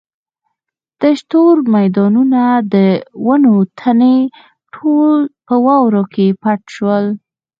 تش تور میدانونه د ونو تنې ټول په واورو کې پټ شول.